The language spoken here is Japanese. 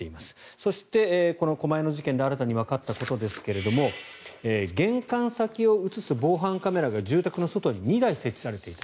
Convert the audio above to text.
そして、狛江の事件で新たにわかったことですが玄関先を映す防犯カメラが住宅の外に２台設置されていた。